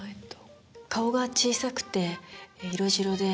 顔が小さくて色白で。